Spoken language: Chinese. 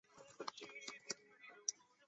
英国冀望藉此跟北京新政权展开贸易。